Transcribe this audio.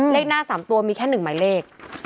เลขหน้า๓ตัวมีแค่๑หมายเลข